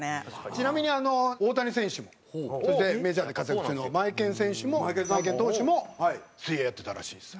ちなみに大谷選手もそしてメジャーで活躍中のマエケン選手もマエケン投手も水泳やってたらしいです。